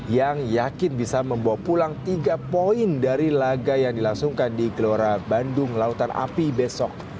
yang yakin bisa membawa pulang tiga poin dari laga yang dilangsungkan di gelora bandung lautan api besok